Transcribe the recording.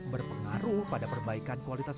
berpengaruh pada perbaikan kualitas